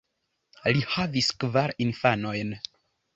Li havis kvar infanojn.